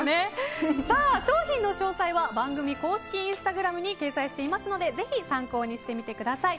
商品の詳細は番組公式インスタグラムに掲載していますのでぜひ参考にしてみてください。